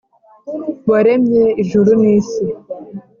Waremye Ijuru N Isi